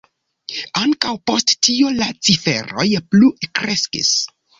Ankaŭ post tio la ciferoj plu kreskis.